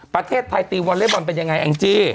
ประเทศไทยตีวอเล็กบอลเป็นยังไงแองจี้